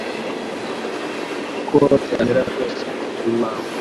Uko byamera kose nduwawe